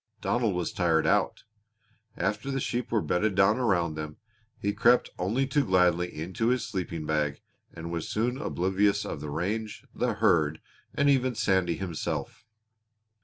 Donald was tired out. After the sheep were bedded down around them, he crept only too gladly into his sleeping bag and was soon oblivious of the range, the herd, and even Sandy himself.